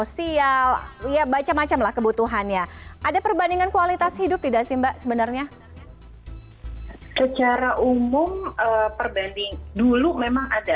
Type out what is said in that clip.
secara umum perbanding dulu memang ada